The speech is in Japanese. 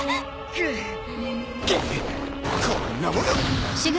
くっこんなもの！